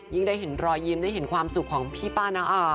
ได้เห็นรอยยิ้มได้เห็นความสุขของพี่ป้านะ